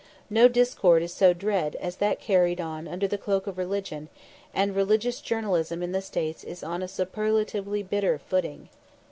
No discord is so dread as that carried on under the cloak of religion, and religious journalism in the States is on a superlatively bitter footing.